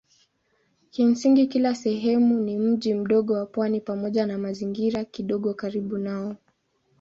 Kimsingi kila sehemu ni mji mdogo wa pwani pamoja na mazingira kidogo karibu nao.